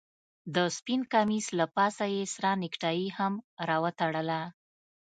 د سپين کميس له پاسه يې سره نيكټايي هم راوتړله.